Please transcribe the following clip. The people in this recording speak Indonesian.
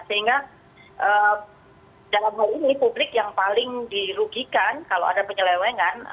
sehingga dalam hal ini publik yang paling dirugikan kalau ada penyelewengan